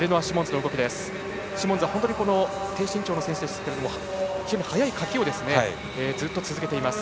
シモンズは本当に低身長の選手ですけれども非常に速いかきをずっと続けています。